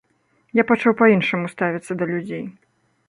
Я пачаў па-іншаму ставіцца да людзей.